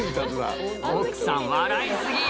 奥さん笑い過ぎ